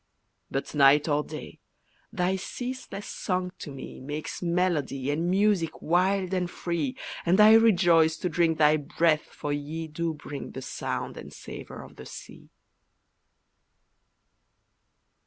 But, night or day, thy ceaseless song to me Makes melody, and music wild and free, And I rejoice to drink thy breath for ye Do bring the sound and savour of the sea.